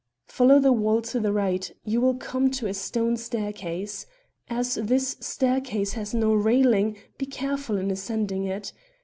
"Follow the wall to the right; you will come to a stone staircase. As this staircase has no railing, be careful in ascending it.